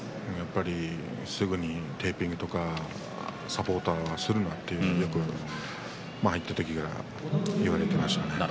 すぐにテーピングとかサポーターをするなと入った時から言われていました。